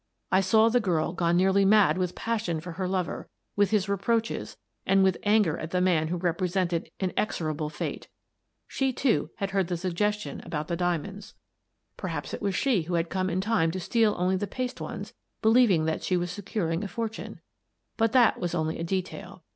I saw the girl gone nearly mad with passion for her lover, with his reproaches, and with anger at the man who represented inexorable fate. She, too, had heard the suggestion about the diamonds. Perhaps it 1 88 Miss Frances Baird, Detective BSBBSBE == I I was she who had come in time to steal only the paste ones, believing that she was securing a fortune. But that was only a detail.